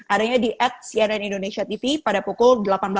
adanya di at cnn indonesia tv pada pukul delapan belas